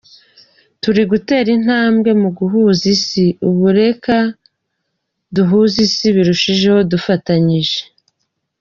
Turi gutera intambwe mu guhuza Isi, ubu reka duhuze Isi birushijeho dufatanyije.